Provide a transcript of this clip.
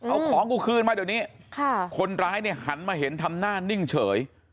เอาของกูคืนมาเดี๋ยวนี้คนร้ายเนี่ยหันมาเห็นทำหน้านิ่งเฉย